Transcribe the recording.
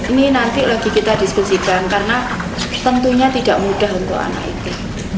ini nanti lagi kita diskusikan karena tentunya tidak mudah untuk anak itu